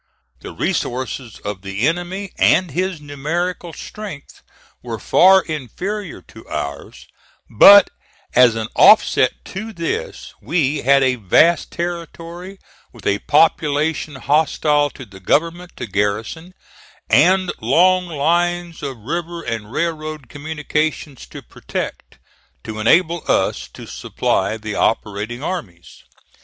The resources of the enemy and his numerical strength were far inferior to ours; but as an offset to this, we had a vast territory, with a population hostile to the government, to garrison, and long lines of river and railroad communications to protect, to enable us to supply the operating armies.